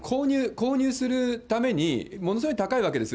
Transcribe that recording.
購入するためにものすごい高いわけです。